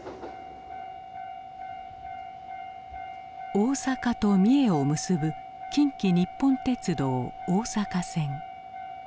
大阪と三重を結ぶ近畿日本鉄道大阪線。